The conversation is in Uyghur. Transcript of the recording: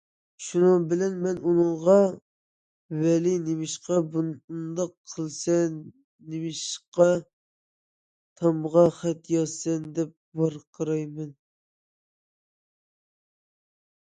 شۇنىڭ بىلەن مەن ئۇنىڭغا:« ۋەلى، نېمىشقا ئۇنداق قىلىسەن؟ نېمىشقا تامغا خەت يازىسەن؟» دەپ ۋارقىرايمەن.